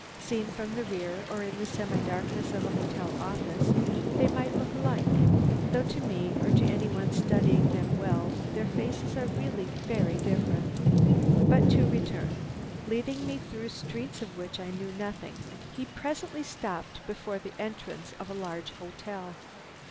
Seen from the rear or in the semi darkness of a hotel office they might look alike, though to me or to any one studying them well, their faces are really very different. "But to return. Leading me through streets of which I knew nothing, he presently stopped before the entrance of a large hotel.